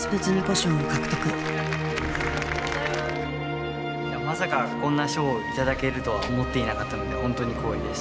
賞」を獲得いやまさかこんな賞を頂けるとは思っていなかったのでホントに光栄です。